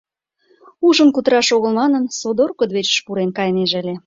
Ужын кутыраш огыл манын, содор кудывечыш пурен кайынеже ыле.